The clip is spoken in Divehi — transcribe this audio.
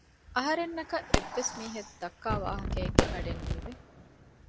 އަހަރެންނަކަށް އެއްވެސް މީހެއް ދައްކާވާހަކައެއްގެ އަޑެއް ނީވެ